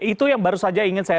itu yang baru saja ingin saya